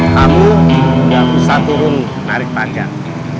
kamu nggak usah turun narik panjang